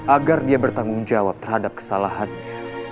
agar dia bertanggung jawab terhadap kesalahannya